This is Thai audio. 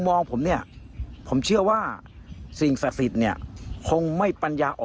มองผมเนี่ยผมเชื่อว่าสิ่งศักดิ์สิทธิ์เนี่ยคงไม่ปัญญาออก